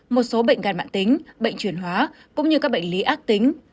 một số bệnh gan mạng tính bệnh truyền hóa cũng như các bệnh lý ác tính